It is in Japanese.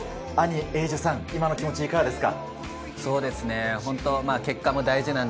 兄・英樹さん、今の気持ちいかがですか？